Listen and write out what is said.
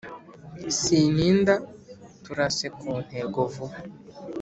sintinda turase kuntego vuba